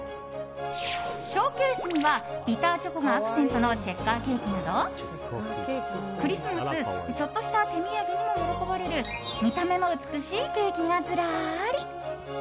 ショーケースにはビターチョコがアクセントのチェッカーケーキなどクリスマスちょっとした手土産にも喜ばれる見た目も美しいケーキがずらり。